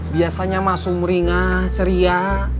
biasanya masuk meringah ceria